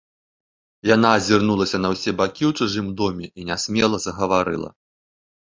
Яна азірнулася на ўсе бакі ў чужым доме і нясмела загаварыла.